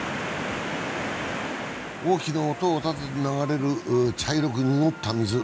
大きな音をたてて流れる茶色く濁った水。